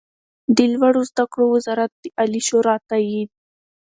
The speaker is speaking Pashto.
د لوړو زده کړو وزارت د عالي شورا تائید